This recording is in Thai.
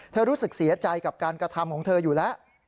รู้สึกเสียใจกับการกระทำของเธออยู่แล้ว